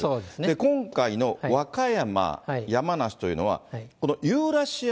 今回の和歌山、山梨というのは、このユーラシア